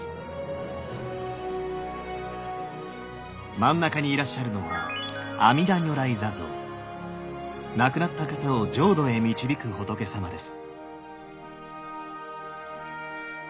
真ん中にいらっしゃるのは亡くなった方を浄土へ導く仏さまです。